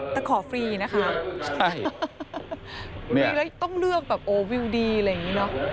แต่ขอฟรีนะครับต้องเลือกวิวดีอะไรอย่างนี้เนอะ